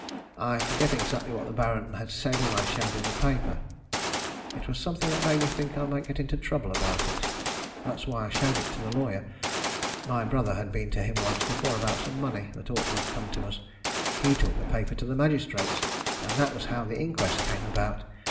I forget exactly what the Baron said when I showed him the paper. It was something that made me think I might get into trouble about it. That was why I showed it to the lawyer. My brother had been to him once before about some money that ought to have come to us. He took the paper to the magistrates, and that was how the inquest came about.